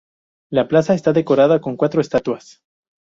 La plaza está decorada con cuatro estatuas.